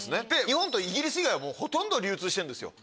日本とイギリス以外はもうほとんど流通してるんですよ。